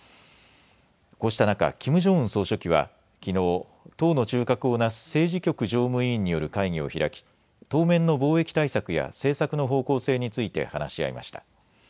こうした中、キム・ジョンウン総書記はきのう党の中核をなす政治局常務委員による会議を開き当面の防疫対策や政策の方向性について話し合いました。